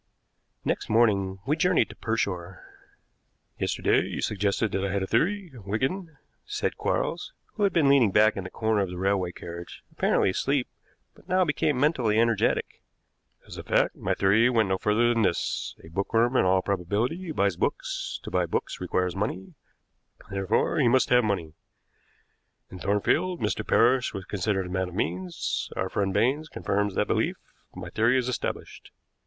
Next morning we journeyed to Pershore. "Yesterday you suggested that I had a theory, Wigan," said Quarles, who had been leaning back in the corner of the railway carriage apparently asleep, but now became mentally energetic. "As a fact, my theory went no further than this: A bookworm in all probability buys books; to buy books requires money; therefore he must have money. In Thornfield Mr. Parrish was considered a man of means; our friend Baines confirms that belief. My theory is established."